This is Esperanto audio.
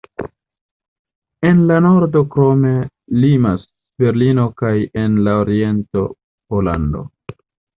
En la nordo krome limas Berlino kaj en la oriento Pollando.